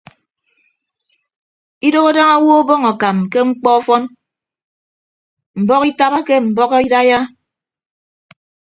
Idooho daña owo ọbọñ akam ke mkpọ ọfọn mbọhọ itabake mbọhọ idaiya.